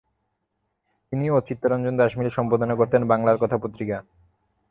তিনি ও চিত্তরঞ্জন দাশ মিলে সম্পাদনা করতেন বাঙলার কথা পত্রিকা।